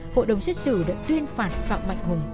hội đồng xét xử đã tuyên phạt phạm mạnh hùng